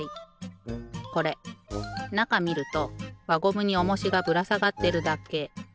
これなかみるとわゴムにおもしがぶらさがってるだけ。